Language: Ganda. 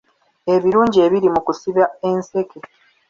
Ebirungi ebiri mu kusiba enseke.